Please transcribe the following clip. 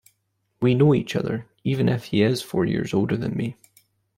We know each other, even if he is four years older than me.